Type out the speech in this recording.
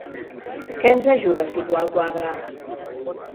Què ens ajuda a situar el quadre?